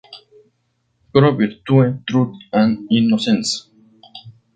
Coro: Virtue, truth, and innocence.